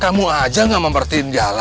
kamu aja gak mempertimbangkan aku ya